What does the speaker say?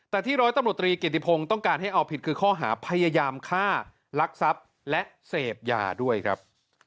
แต่ที่ร้อยตำรวจตรีเกียรติพงศ์ต้องการให้เอาผิดคือข้อหาพยายามฆ่าลักทรัพย์และเสพยาด้วยครับ